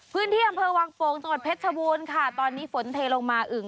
พื้นที่อำเภอวังโป่งจังหวัดเพชรชบูรณ์ค่ะตอนนี้ฝนเทลงมาอึ่ง